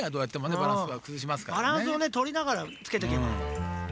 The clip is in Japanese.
バランスをねとりながらつけてけば。